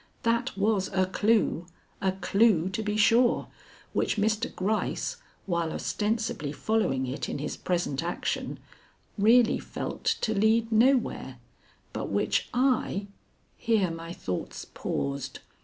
That was a clue, a clue, to be sure, which Mr. Gryce, while ostensibly following it in his present action, really felt to lead nowhere, but which I Here my thoughts paused.